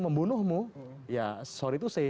membunuhmu ya sorry to say